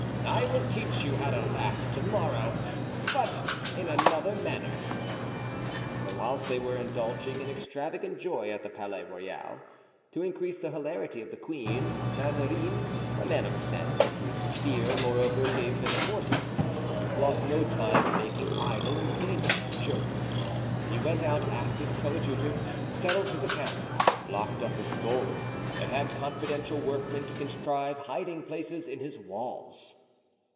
I will teach you how to laugh to morrow—but in another manner." But whilst they were indulging in extravagant joy at the Palais Royal, to increase the hilarity of the queen, Mazarin, a man of sense, and whose fear, moreover, gave him foresight, lost no time in making idle and dangerous jokes; he went out after the coadjutor, settled his account, locked up his gold, and had confidential workmen to contrive hiding places in his walls.